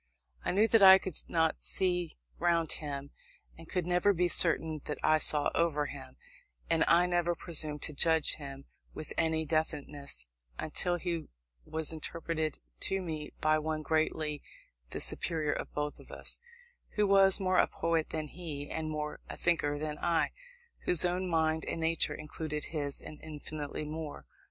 I knew that I could not see round him, and could never be certain that I saw over him; and I never presumed to judge him with any definiteness, until he was interpreted to me by one greatly the superior of us both who was more a poet than he, and more a thinker than I whose own mind and nature included his, and infinitely more.